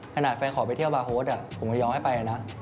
ถ้าหนักแฟนขอไปเที่ยวบาร์โฮสผมก็ย้องให้ไปนะ